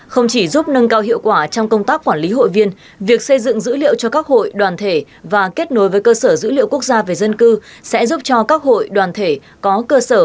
không chỉ giúp nâng cao hiệu quả trong công tác quản lý hội viên việc xây dựng dữ liệu cho các hội đoàn thể và kết nối với cơ sở dữ liệu quốc gia về dân cư sẽ giúp cho các hội đoàn thể có cơ sở